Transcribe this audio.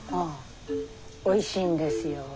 おいしいんですよ。